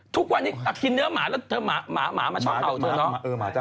ทุกวันนี้กินเนื้อหมาแล้วเนื้อหมาจะชอบเธอหรอ